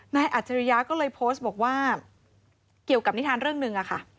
อัจฉริยะก็เลยโพสต์บอกว่าเกี่ยวกับนิทานเรื่องหนึ่งอะค่ะ